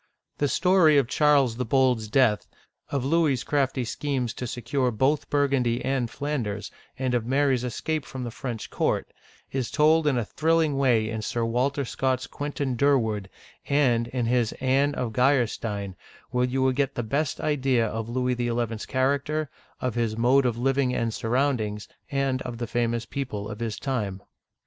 The story of Charles the Bold's death, of Louis's crafty schemes to secure both Burgundy and Flanders, and of Mary's escape from the French court, is told in a thrilling way in Sir Walter Scott's Quentin Djirward and in his Anne of Geiersteiuy (gl'er stin), where you will get the best idea of Louis XL's character, of his mode of living and sur roundings, and of the famous people of his time.